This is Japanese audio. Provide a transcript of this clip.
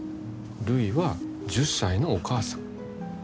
るいは１０歳のお母さん。